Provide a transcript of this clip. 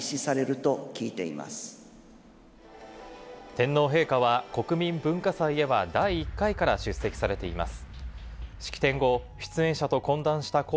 天皇陛下は国民文化祭へは第１回から出席されています。